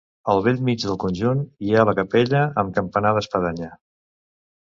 Al bell mig del conjunt hi ha la capella amb campanar d'espadanya.